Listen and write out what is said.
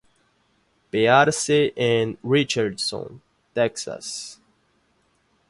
Pearce en Richardson, Texas.